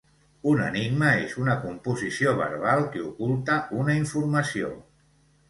Un enigma és una composició verbal que oculta una informació.